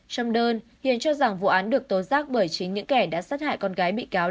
trong đơn hiền cho rằng vụ án được tố giác bởi chính những kẻ đã sát hại con gái bị cáo